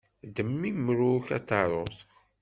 Ddem imru-k ad taruḍ.